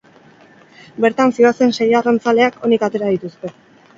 Bertan zihoazen sei arrantzaleak onik atera dituzte.